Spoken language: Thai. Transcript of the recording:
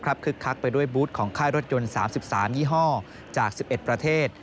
คึกคักไปด้วยบูธของค่ายรถยนต์๓๓ยี่ห้อจาก๑๑ประเทศ